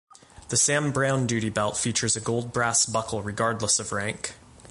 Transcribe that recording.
The Sam Browne duty belt features a gold brass buckle regardless of rank.